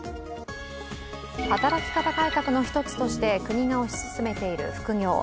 働き方改革の１つとして国が推し進めている副業。